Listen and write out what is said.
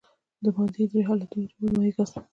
د مادې درې حالتونه جامد مايع ګاز.